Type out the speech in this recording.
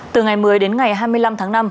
từ ngày một mươi đến ngày hai mươi năm tháng năm